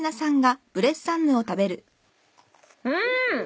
・うん！